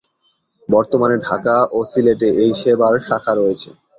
বর্তমানে ঢাকা ও সিলেটে এই সেবার শাখা রয়েছে।